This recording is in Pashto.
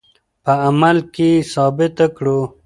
په عمل کې یې ثابته کړو.